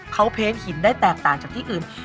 เขาเพ้งหินได้แตกต่างจากที่อื่น